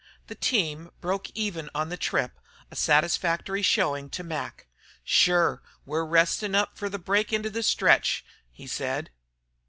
The team broke even on the trip a satisfactory showing to Mac. "Shure, we 're restin' up fer the break into the stretch," he said.